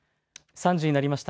３時になりました。